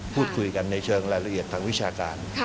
พูดคุยกันในเชิงรายละเอียดทางวิชาการ